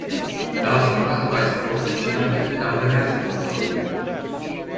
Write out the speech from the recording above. Daha sonra Hatayspor ve Çanakkale Dardanelspor'da oynadı.